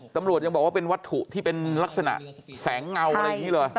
ตำรวจยังบอกว่าเป็นวัตถุที่เป็นลักษณะแสงเงาอะไรอย่างนี้เลย